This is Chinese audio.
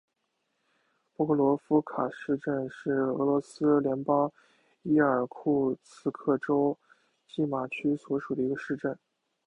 波克罗夫卡市镇是俄罗斯联邦伊尔库茨克州济马区所属的一个市镇。